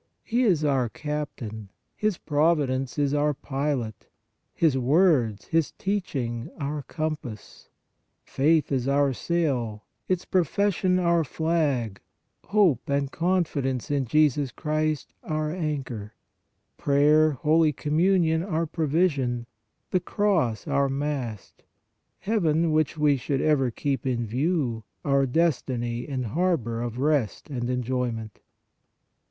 He is our Captain, His Providence is our Pilot, His words, His teaching, our compass, faith is our sail, its pro fession, our flag, hope and confidence in Jesus Christ, our anchor, prayer, holy Communion, our provision, the cross, our mast, heaven, which we should ever keep in view, our destiny and harbor of rest and enjoyment.